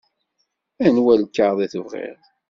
Anwa lkaɣeḍ i tebɣiḍ?